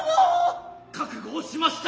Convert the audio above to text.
覚悟をしました。